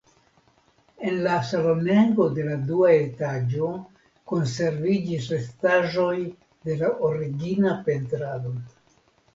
En la salonego de la dua etaĝo konserviĝis restaĵoj de la origina pentrado.